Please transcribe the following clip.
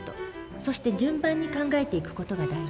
そして順番に考えていく事が大事。